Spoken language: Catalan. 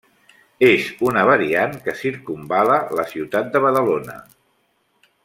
És una variant que circumval·la la ciutat de Badalona.